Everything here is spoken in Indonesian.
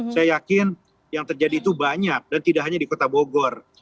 saya yakin yang terjadi itu banyak dan tidak hanya di kota bogor